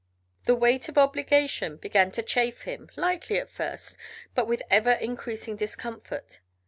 The weight of obligation began to chafe him, lightly at first, but with ever increasing discomfort.